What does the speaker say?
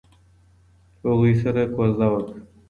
هغوی سره کوژده وکړه.